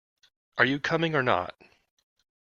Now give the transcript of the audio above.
Are you coming or not?